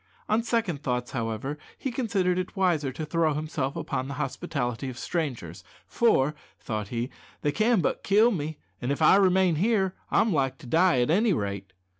On second thoughts, however, he considered it wiser to throw himself upon the hospitality of the strangers; "for," thought he, "they can but kill me, an' if I remain here I'm like to die at any rate."